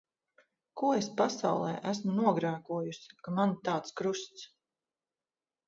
Ko es pasaulē esmu nogrēkojusi, ka man tāds krusts.